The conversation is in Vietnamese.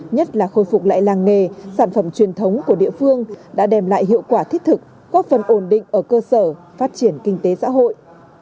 nhất là khôi phục lại làng nghề sản phẩm truyền thống của địa phương đã đem lại hiệu quả thiết thực góp phần ổn định ở cơ sở phát triển kinh tế xã hội